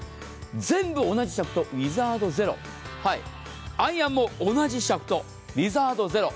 全部同じシャフトヴィザードゼロ、アイアンも同じシャフト、ヴィザードゼロ。